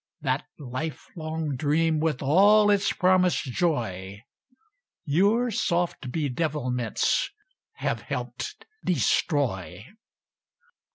That lifelong dream with all its promised joy Your soft bedevilments have helped destroy.